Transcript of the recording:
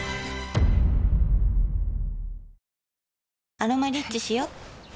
「アロマリッチ」しよ